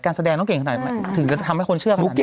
การแสดงต้องเก่งขนาดไหมถึงจะทำให้คนเชื่อขนาดนี้